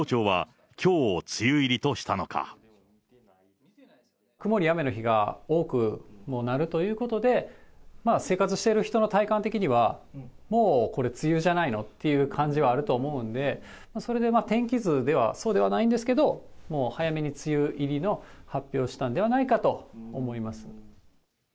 なぜ、気象庁は、曇り、雨の日が多くもうなるということで、まあ生活している人の体感的には、もう、これ、梅雨じゃないのって感じはあると思うんで、それで天気図ではそうではないんですけども、もう早めに梅雨入りの発表したんではないかと思います。